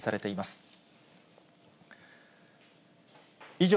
以上、